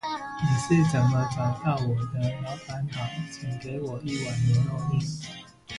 你是怎麼找到我的？老闆好，請給我一碗牛肉麵